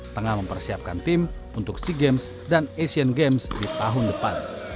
tengah mempersiapkan tim untuk sea games dan asian games di tahun depan